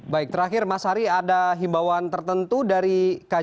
baik terakhir mas sari ada himbawan tertentu dari kjri